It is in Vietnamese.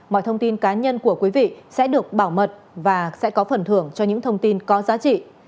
mọi thông tin cá nhân của quý vị sẽ được bảo mật và sẽ có phần thưởng cho những thông tin có giá trị